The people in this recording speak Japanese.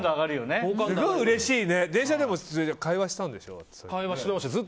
電車でも会話したんでしょ。